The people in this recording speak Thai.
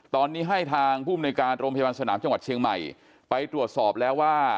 ตอนนี้ให้ทางภูมิในการโรงพยาบาลสนามจังหวัดเชียงใหม่ไปตรวจสอบแล้วว่า